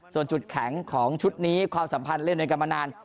ส่วนจุดแข็งของชุดนี้ความสัมพันธ์เล่นด้วยกันมานาน